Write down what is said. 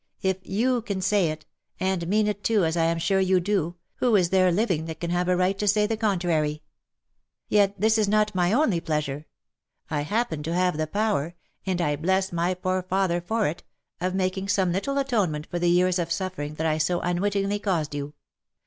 If you can say it, and mean it too, as I am sure you do, who is there living that can have a right to say the contrary ? Yet this is not my only pleasure — I happen to have the power — and I bless my poor lather for it — of making some little atonement for the years of suffering that I so unwittingly caused you.